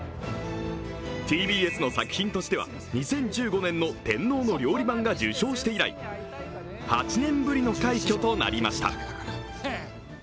ＴＢＳの作品としては２０１５年の「天皇の料理番」が受賞して以来、８年ぶりの快挙となりました。